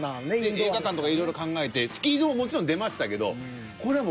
映画館とかいろいろ考えてスキー場ももちろん出ましたけど。